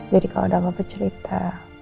jadi kalau udah apa apa cerita